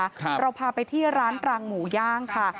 เราพาไปที่ร้านรังหมูย่างค่ะ